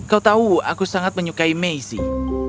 kau tahu aku sangat menyukai maisie